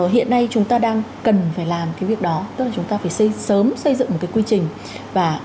hiện nay chúng ta đang cần phải làm cái việc đó tức là chúng ta phải xây sớm xây dựng một cái quy trình